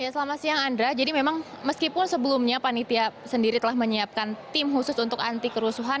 selamat siang andra jadi memang meskipun sebelumnya panitia sendiri telah menyiapkan tim khusus untuk anti kerusuhan